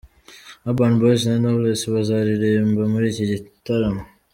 Urban Boys na Knowless bazaririmba muri iki hitaramo.